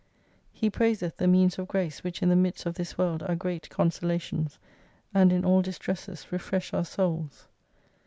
He praiseth the means of grace which in the midst of this world are great consolations, and in all distresses, refresh our souls.